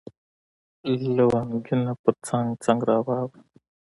لونګینه پرڅنګ، پرڅنګ را واوړه